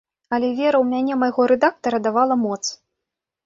Але вера ў мяне майго рэдактара давала моц.